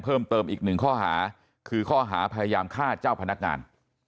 เพิ่มเติมอีกหนึ่งข้อหาคือข้อหาพยายามฆ่าเจ้าพนักงาน